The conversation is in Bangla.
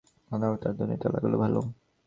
যখন তখন অকারণে সংস্কৃত আওড়াত, তার ধ্বনিটা লাগত ভালো।